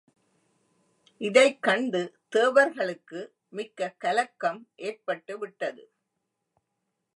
இதைக் கண்டு தேவர்களுக்கு மிக்க கலக்கம் ஏற்பட்டு விட்டது.